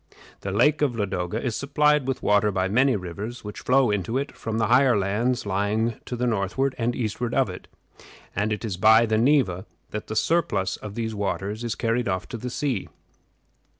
The Lake of Ladoga is supplied with water by many rivers, which flow into it from the higher lands lying to the northward and eastward of it; and it is by the Neva that the surplus of these waters is carried off to the sea.